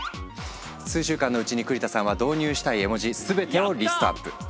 数週間のうちに栗田さんは導入したい絵文字全てをリストアップ。